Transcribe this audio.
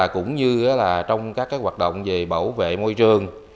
cũng như trong các hoạt động về bảo vệ môi trường